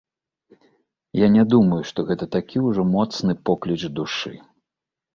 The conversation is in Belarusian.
Я не думаю, што гэта такі ўжо моцны покліч душы.